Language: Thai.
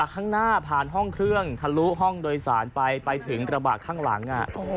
ทะลุห้องด้วยสารไปถึงกระบะข้างหลัง